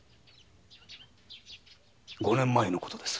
五年前の事です。